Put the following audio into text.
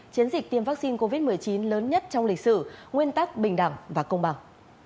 chiến dịch tiêm vaccine covid một mươi chín lớn nhất trong lịch sử nguyên tắc bình đẳng và công bằng